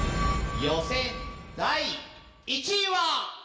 予選第１位は！